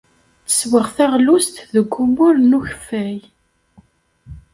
Ttesseɣ taɣlust deg umur n ukeffay.